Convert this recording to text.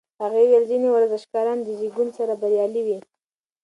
هغې وویل ځینې ورزشکاران د زېږون سره بریالي وي.